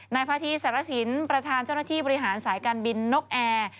นายพาธีสารสินประธานเจ้าหน้าที่บริหารสายการบินนกแอร์